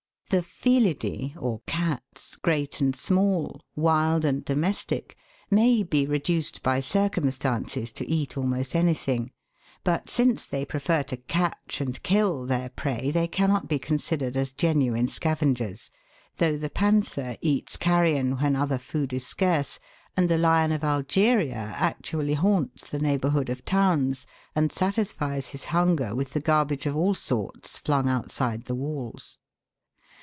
The Felidce, or cats, great and small, wild and domestic, may be reduced by circumstances to eat almost anything, but since they prefer to catch and kill their prey, they cannot be considered as genuine scavengers, though the panther eats carrion when other food is scarce, and the lion of Algeria actually haunts the neighbourhood of towns, and satisfies his hunger with the garbage of all sorts flung out side the walls.